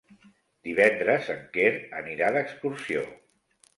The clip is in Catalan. Divendres en Quer anirà d'excursió.